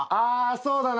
そうだな。